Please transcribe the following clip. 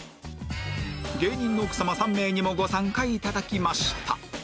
芸人の奥さま３名にもご参加頂きました